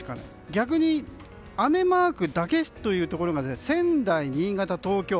逆に雨マークだけというところが仙台、新潟、東京。